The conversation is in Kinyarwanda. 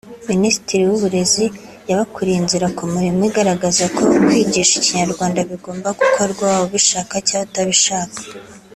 Minisiteri y’Uburezi yabakuriye inzira ku murima igaragaza ko kwigisha Ikinyarwanda bigomba gukorwa waba ubishaka cyangwa utabishaka